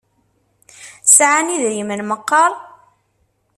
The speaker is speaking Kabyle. Sɛan idrimen meqqar?